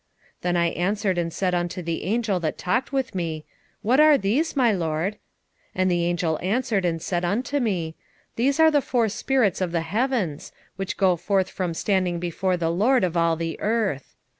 6:4 Then I answered and said unto the angel that talked with me, What are these, my lord? 6:5 And the angel answered and said unto me, These are the four spirits of the heavens, which go forth from standing before the LORD of all the earth.